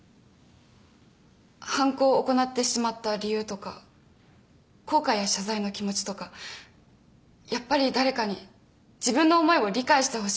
犯行を行ってしまった理由とか後悔や謝罪の気持ちとかやっぱり誰かに自分の思いを理解してほしいと思うはずです。